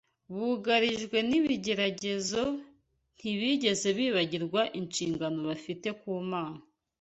bugarijwe n’ibigeragezo, ntibigeze bibagirwa inshingano bafite ku Mana